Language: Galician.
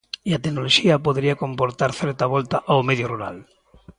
E a tecnoloxía podería comportar certa volta ao medio rural.